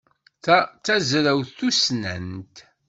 Ta d tazrawt tussnant.